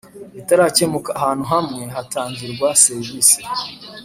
Bitarakemuka ahantu hamwe hatangirwa serivisi